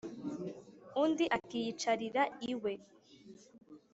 undi akiyicarira iwe